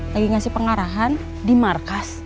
lagi ngasih pengarahan di markas